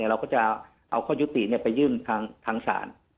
เราก็จะเอาข้อยุติไปยื่นทางศาล